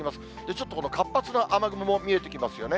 ちょっとこの活発な雨雲も見えてきますよね。